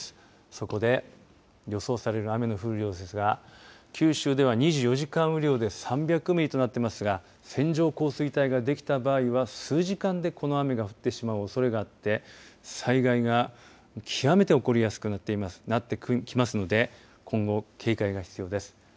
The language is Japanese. そこで予想される雨の降る量ですが九州では２４時間雨量で３００ミリとなっていますが線状降水帯ができた場合は数時間でこの雨が降ってしまうおそれがあって災害が極めて起こりやすくなってきますので今後も警戒が必要です。